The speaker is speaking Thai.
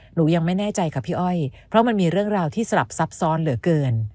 หนูยังไม่แน่ใจค่ะพี่อ้อยเพราะมันมีเรื่องราวที่สลับซับซ้อนเหลือเกิน